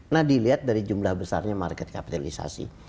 nah dilihat dari jumlah besarnya market kapitalisasi